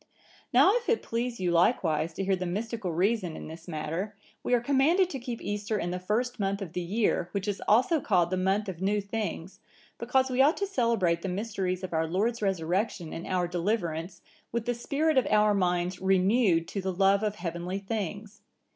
"Now if it please you likewise to hear the mystical reason in this matter, we are commanded to keep Easter in the first month of the year, which is also called the month of new things, because we ought to celebrate the mysteries of our Lord's Resurrection and our deliverance, with the spirit of our minds renewed to the love of heavenly things.